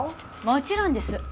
もちろんです。